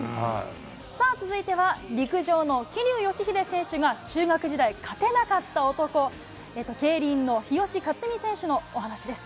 続いては陸上の桐生祥秀選手が、中学時代、勝てなかった男、競輪の日吉克実選手のお話です。